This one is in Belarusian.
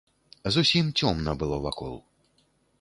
Зусім цёмна было вакол.